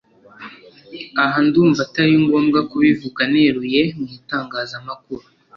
aha ndumva atari ngombwa kubivuga neruye mu itangazamakuru